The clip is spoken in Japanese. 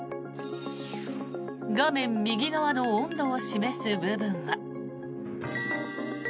画面右側の温度を示す部分は。